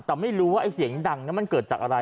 แต่ไม่รู้ว่าไอ้เสียงดังนั้นมันเกิดจากอะไร